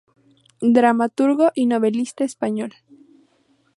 Dramaturgo y novelista español.